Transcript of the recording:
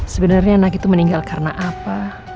sebenarnya anak itu meninggal karena apa